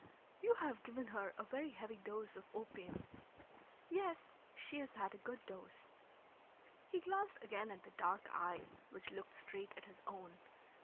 "You have given her a very heavy dose of opium." "Yes, she has had a good dose." He glanced again at the dark eyes which looked straight at his own.